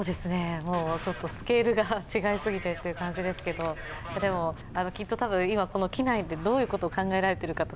スケールが違いすぎてという感じですけど、きっとたぶん、この機内でどういうことを考えているのか